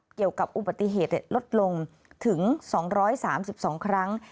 เกี่ยวกับอุบัติเหตุลดลงถึง๒๓๒ครั้ง